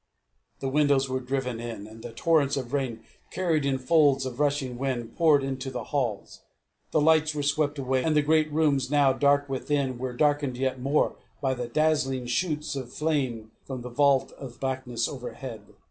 The windows were driven in, and torrents of rain, carried in the folds of a rushing wind, poured into the halls. The lights were swept away; and the great rooms, now dark within, were darkened yet more by the dazzling shoots of flame from the vault of blackness overhead.